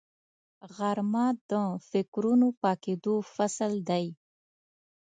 غرمه د فکرونو پاکېدو فصل دی